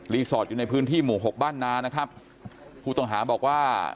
สอดอยู่ในพื้นที่หมู่หกบ้านนานะครับผู้ต้องหาบอกว่า